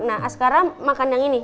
nah askara makan yang ini